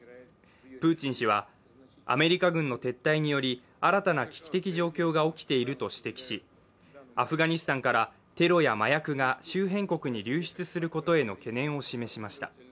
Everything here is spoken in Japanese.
プーチン氏はアメリカ軍の撤退により新たな危機的状況が起きていると指摘し、アフガニスタンからテロや麻薬が周辺国に流出することへの懸念を示しました。